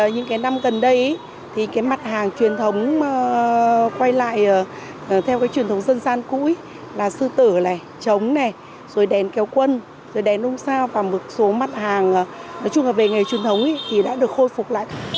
những năm gần đây mặt hàng truyền thống quay lại theo truyền thống dân gian cũ là sư tử trống đèn kéo quân đèn ông sao và một số mặt hàng về nghề truyền thống đã được khôi phục lại